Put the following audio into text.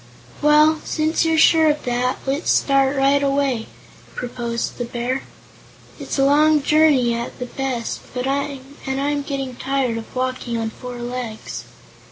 "Well, since you're sure of that, let's start right away," proposed the Bear. "It's a long journey, at the best, and I'm getting tired of walking on four legs."